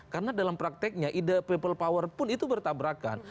karena dalam prakteknya ide people power pun itu bertabrakan